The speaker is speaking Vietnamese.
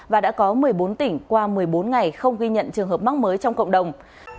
và đã có một mươi bốn tỉnh qua một mươi bốn ngày không ghi nhận trường hợp mắc mới trong cộng đồng